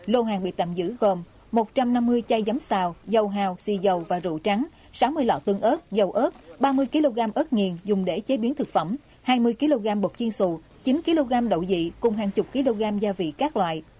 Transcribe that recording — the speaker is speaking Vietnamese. lô hàng bị tạm giữ gồm một trăm năm mươi chai giống xào dầu hào xì dầu và rượu trắng sáu mươi lọ tương ớt dầu ớt ba mươi kg ớt nghiền dùng để chế biến thực phẩm hai mươi kg bột chiên sù chín kg đậu dị cùng hàng chục kg gia vị các loại